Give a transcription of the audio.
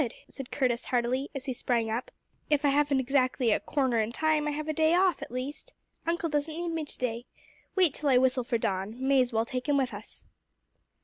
said Curtis heartily, as he sprang up. "If I haven't exactly a corner in time, I have a day off, at least. Uncle doesn't need me today. Wait till I whistle for Don. May as well take him with us."